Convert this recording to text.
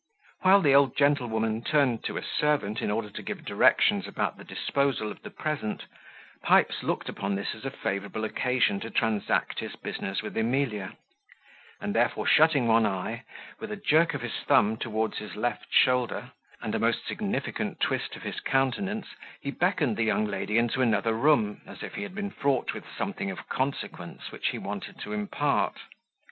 While the old gentlewoman turned to a servant in order to give directions about the disposal of the present, Pipes looked upon this as a favourable occasion to transact his business with Emilia, and therefore shutting one eye, with a jerk of his thumb towards his left shoulder, and a most significant twist of his countenance he beckoned the young lady into another room as if he had been fraught with something of consequence, which he wanted to impart.